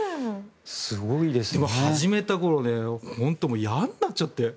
でも、始めた頃本当に嫌になっちゃって。